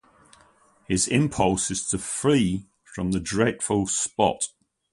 His impulse is to flee from the dreadful spot.